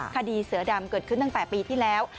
คดีเสือดำเกิดขึ้นตั้งแต่ปีที่แล้ว